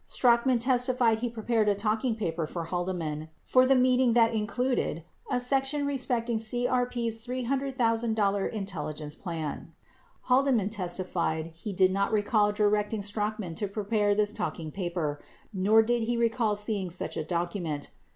Strachan testified he prepared a talking paper for Haldeman for the meeting that included a section respecting CRP's $300,000 intelligence plan. 15 Haldeman testified he did not recall directing Strachan to prepare this talking paper, nor did he recall seeing such a document.